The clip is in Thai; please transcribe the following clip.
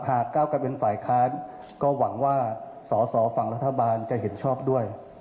ก้าวกลายเป็นฝ่ายค้านก็หวังว่าสอสอฝั่งรัฐบาลจะเห็นชอบด้วย